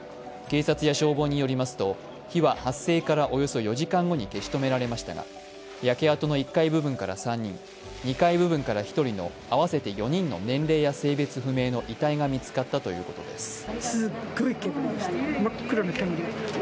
警察や消防によりますと、火は発生からおよそ４時間後に消し止められましたが、焼け跡の１階部分ら３人、２階部分から１人の合わせて４人の年齢性別の遺体が見つかったということです。